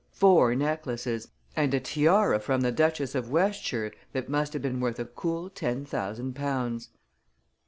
Four necklaces; and a tiara from the Duchess of Westshire that must have been worth a cool ten thousand pounds."